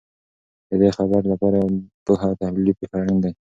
د دې خبر لپاره پوهه او تحلیلي فکر اړین دی.